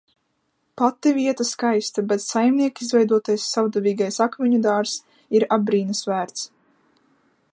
Pati vieta skaista, bet saimnieka izveidotais savdabīgais akmeņu dārzs ir apbrīnas vērts.